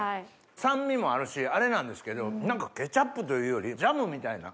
酸味もあるしあれなんですけど何かケチャップというよりジャムみたいな。